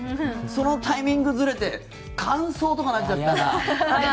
そのタイミングがずれて間奏とかになっちゃったら。